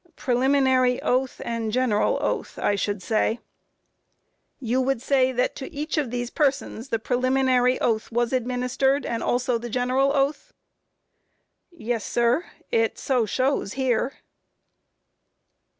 ] A. Preliminary oath and general oath, I should say. Q. You would say that to each of these persons the preliminary oath was administered, and also the general oath? A. Yes, sir; it so shows here.